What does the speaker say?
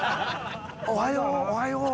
「おはようおはよう。